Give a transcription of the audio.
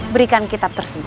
berikan kitab tersebut